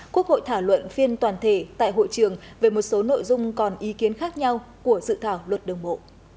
quốc hội thảo luận phiên toàn thể tại hội trường về một số nội dung còn ý kiến khác nhau của dự thảo luật đường bộ